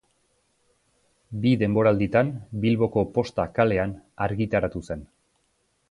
Bi denboralditan Bilboko Posta kalean argitaratu zen.